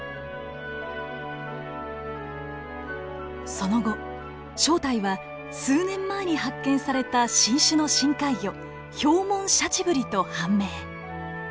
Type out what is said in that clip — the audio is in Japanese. その後正体は数年前に発見された新種の深海魚ヒョウモンシャチブリと判明。